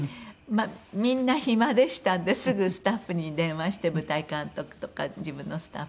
みんな暇でしたんですぐスタッフに電話して舞台監督とか自分のスタッフに電話して。